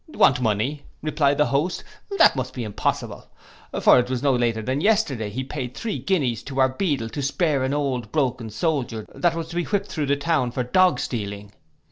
'Want money!' replied the host, 'that must be impossible; for it was no later than yesterday he paid three guineas to our beadle to spare an old broken soldier that was to be whipped through the town for dog stealing.